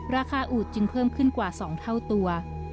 อูดจึงเพิ่มขึ้นกว่า๒เท่าตัว